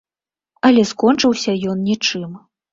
Але скончыўся ён нічым.